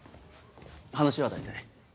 話は大体。